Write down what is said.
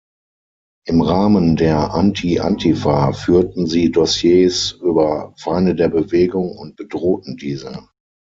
Im Rahmen der Anti-Antifa führten sie Dossiers über „Feinde der Bewegung“ und bedrohten diese.